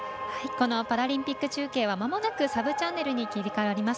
このパラリンピック中継はまもなくサブチャンネルに切り替わります。